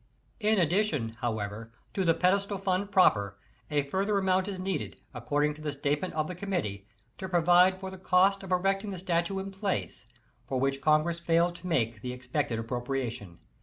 In addition, howe\'er, to the pedestal fund proper, a further amount is needed, according to the statement of the committee, to provide for the cost of erecting the statue in place, for which Congress failed to make the expected appropriation.